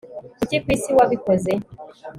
Kuki kwisi wabikoze